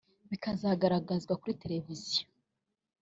bikagaragazwa kuri televiziyo